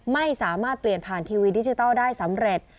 ไม่สามารถเปลี่ยนผ่านทีวีดิจิทัลได้สำเร็จ